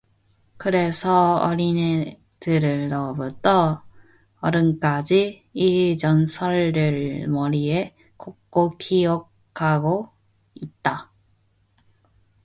그래서 어린애들로부터 어른까지 이 전설을 머리에 꼭꼭 기억하고 있다.